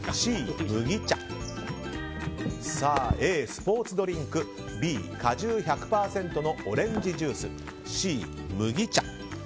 Ａ、スポーツドリンクＢ、果汁１００％のオレンジジュースＣ、麦茶。